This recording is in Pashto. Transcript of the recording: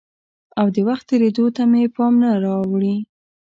او د وخت تېرېدو ته مې پام نه وراوړي؟